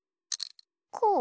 こう？